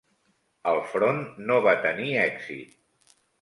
El front no va tenir èxit.